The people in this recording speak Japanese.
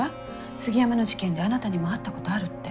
杉山の事件であなたにも会ったことあるって。